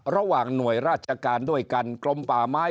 ระหว่างหน่วยราชการด้วยกันกรมป่าไม้